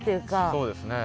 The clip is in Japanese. そうですね。